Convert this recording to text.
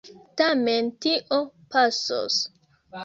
Tamen tio pasos.